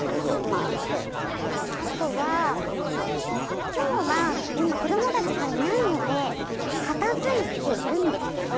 あとは今日は今子どもたちがいないので片付いているんですけど。